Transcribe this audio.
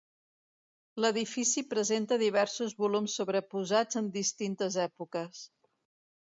L'edifici presenta diversos volums sobreposats en distintes èpoques.